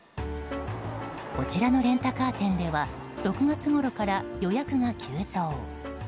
こちらのレンタカー店では６月ごろから予約が急増。